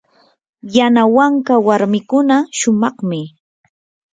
yanawanka warmikuna shumaqmi.